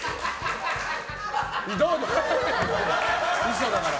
嘘だから。